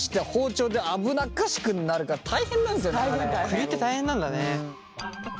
栗って大変なんだね。